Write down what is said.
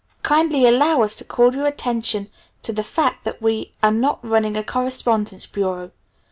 Kindly allow us to call your attention to the fact that we are not running a correspondence bureau.